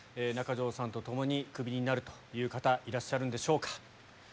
中条さんとともにクビになるという方いらっしゃるんでしょうか。